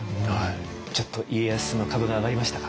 ちょっと家康の株が上がりましたか？